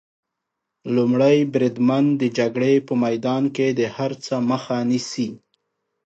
لومړی بریدمن د جګړې په میدان کې د هر څه مخه نیسي.